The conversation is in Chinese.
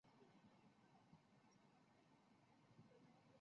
蓝玉簪龙胆为龙胆科龙胆属的植物。